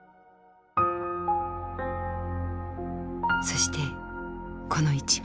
そしてこの一枚。